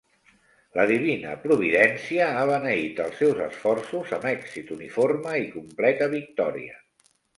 La divina Providència ha beneït els seus esforços amb èxit uniforme i completa victòria.